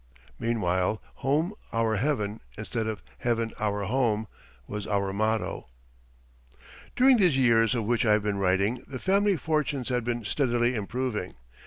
Meanwhile "Home our heaven" instead of "Heaven our home" was our motto. During these years of which I have been writing, the family fortunes had been steadily improving.